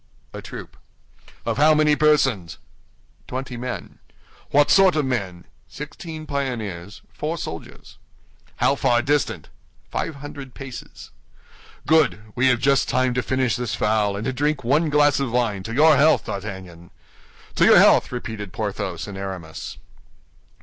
"A troop." "Of how many persons?" "Twenty men." "What sort of men?" "Sixteen pioneers, four soldiers." "How far distant?" "Five hundred paces." "Good! We have just time to finish this fowl and to drink one glass of wine to your health, D'Artagnan." "To your health!" repeated Porthos and Aramis.